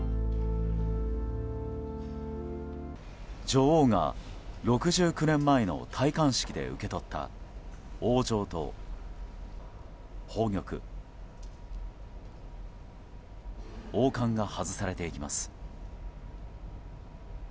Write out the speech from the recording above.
女王が６９年前の戴冠式で受け取った王杖と宝玉、王冠が外されていきます。